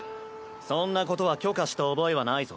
そんなことは許可した覚えはないぞ。